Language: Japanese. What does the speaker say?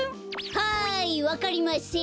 はいわかりません。